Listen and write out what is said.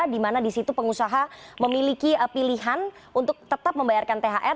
di mana di situ pengusaha memiliki pilihan untuk tetap membayarkan thr